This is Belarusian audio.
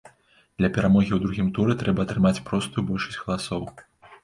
Для перамогі ў другім туры трэба атрымаць простую большасць галасоў.